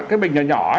cái bình nhỏ nhỏ